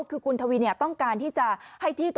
คือคุณทวีเนี่ยต้องการที่จะ